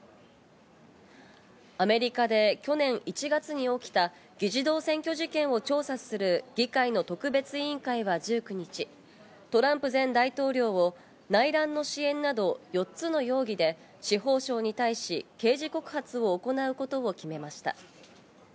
アメリカで去年１月に起きた議事堂占拠事件を調査する議会の特別委員会は１９日、トランプ前大統領を内乱の支援など、４つの容疑で司法省に対し、刑事告発を行うことを決めました。